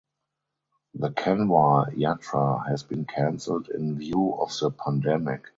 The Kanwar Yatra has been cancelled in view of the pandemic.